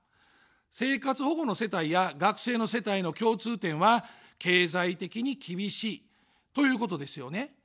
生活保護の世帯や学生の世帯の共通点は経済的に厳しいということですよね。